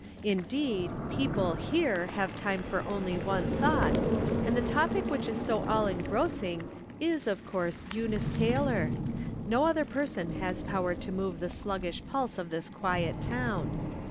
Indeed, people here have time for • only one thought, and the topic which is so all engrossing is, of co\u"se, Eunice Taylor ; no other person has power to move the sluggish pulse of this quiet town.